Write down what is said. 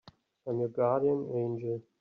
I'm your guardian angel.